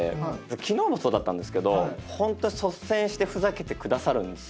昨日もそうだったんですけどホント率先してふざけてくださるんですよ。